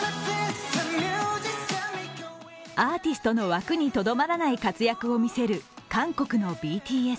アーティストの枠にとどまらない活躍を見せる韓国のＢＴＳ。